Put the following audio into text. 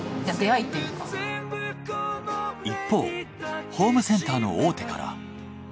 一方ホームセンターの大手から。